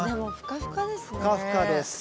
ふかふかです。